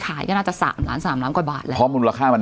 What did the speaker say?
ก็น่าจะสามล้านสามล้านกว่าบาทแล้วเพราะมูลค่ามัน